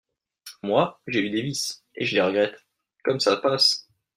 Moi, j’ai eu des vices, et je les regrette… comme ça passe !